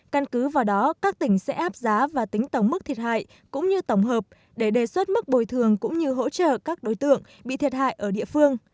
căn cứ vào đó các tỉnh sẽ áp giá và tính tổng mức thiệt hại cũng như tổng hợp để đề xuất mức bồi thường cũng như hỗ trợ các đối tượng bị thiệt hại ở địa phương